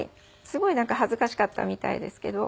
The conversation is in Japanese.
すごい恥ずかしかったみたいですけど。